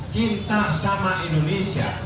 cinta sama indonesia